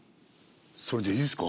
それでいいですか？